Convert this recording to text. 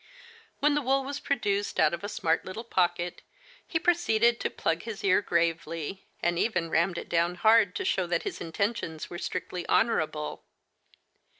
When the wool was produced out of a smart little pocket, he proceeded to plug his ear gravely, and even rammed it down hard to show that his intentions were strictly honorable.